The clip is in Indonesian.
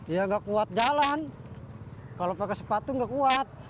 ya nggak kuat jalan kalau pakai sepatu nggak kuat